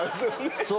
そう。